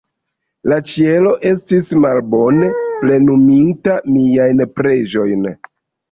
La Ĉielo estis malbone plenuminta miajn preĝojn.